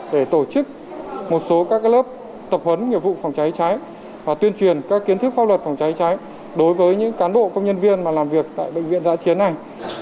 để tổ chức một số các lớp tập huấn nghiệp vụ phòng cháy cháy và tuyên truyền các kiến thức pháp luật phòng cháy cháy đối với những cán bộ công nhân viên mà làm việc tại bệnh viện giã chiến này